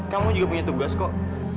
kamu juga punya tugas kok